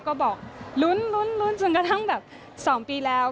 ก็บอกลุ้นจนกระทั่งแบบ๒ปีแล้ว